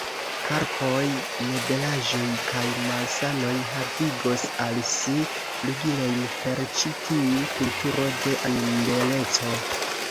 Korpaj nebelaĵoj kaj malsanoj havigos al si flugilojn per ĉi tiu kulturo de animbeleco.